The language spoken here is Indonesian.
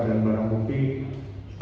dan barang pupih